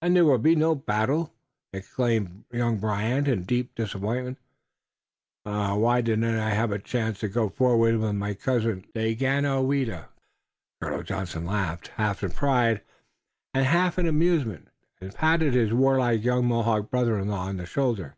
"And there will be no battle!" exclaimed young Brant, in deep disappointment. "Ah! why did I not have the chance to go forward with my cousin, Daganoweda?" Colonel Johnson laughed, half in pride and half in amusement, and patted his warlike young Mohawk brother in law on the shoulder.